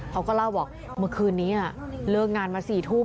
เขาก็เล่าบอกเมื่อคืนนี้เลิกงานมา๔ทุ่ม